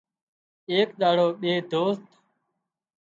ايڪ ۮاڙو ٻي دوست